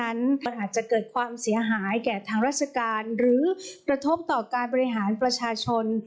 มันอาจจะเกิดความเสียหายแก่ทางราชการหรือกระทบต่อการบริหารประชาชน